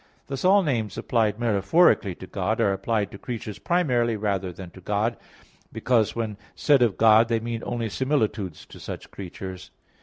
Thus all names applied metaphorically to God, are applied to creatures primarily rather than to God, because when said of God they mean only similitudes to such creatures.